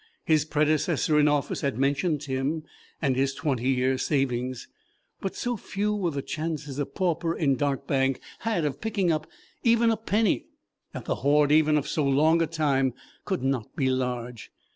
His predecessor in office had mentioned Tim, and his twenty years' saving, but so few were the chances a pauper in Dartbank had of picking up even a penny that the hoard even of so long a time could not be large.